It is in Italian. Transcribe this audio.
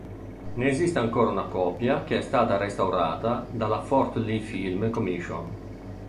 Ne esiste ancora una copia che è stata restaurata dalla Fort Lee Film Commission.